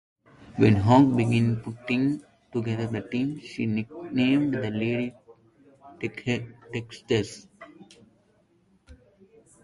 When Hogg began putting together the team, she nicknamed the Lady Techsters.